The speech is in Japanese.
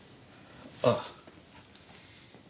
ああ。